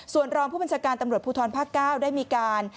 ส่วนรองผู้บัญชาการตำรวจภูทรภาค๙ได้มีการ